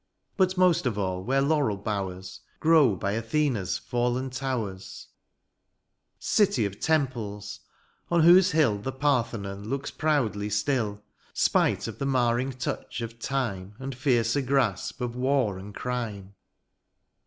But most of all where laurel bowers Grow by Athena's Callen towers ; City of temples ! on whose hill The Parthenon looks proudly still. Spite of the marring touch of time. And fiercer gra^ of war and crime.